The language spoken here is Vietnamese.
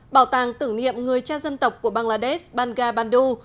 bảo tàng tưởng niệm người cha dân tộc của bangladesh bangabandhu